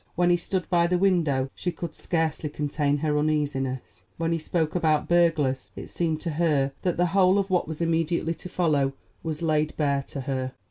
When he stood by the window she could scarcely contain her uneasiness. When he spoke about burglars it seemed to her that the whole of what was immediately to follow was laid bare to her.